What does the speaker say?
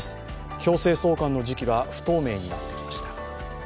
強制送還の時期が不透明になってきました。